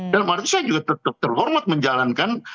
dalam arti saya juga tetap terhormat menjalankan